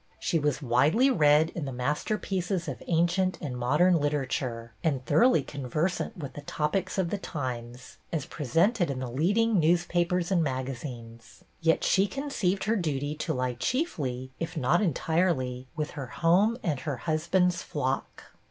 She was widely read in the masterpieces of ancient and modern literature, and thoroughly conversant with the topics of the times, as presented in the lead ing newspapers and magazines ; yet she con ceived her duty to lie chiefly, if not entirely, with her home and her husband's flock.